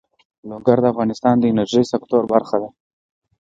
لوگر د افغانستان د انرژۍ سکتور برخه ده.